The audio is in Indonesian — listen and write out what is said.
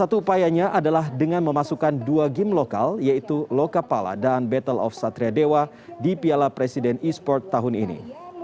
satu upayanya adalah dengan memasukkan dua game lokal yaitu lokapala dan battle of satria dewa di piala presiden e sport tahun ini